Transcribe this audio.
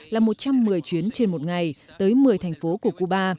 là một trăm một mươi chuyến trên một ngày tới một mươi thành phố của cuba